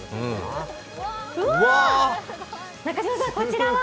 うわ、中島さん、こちらは？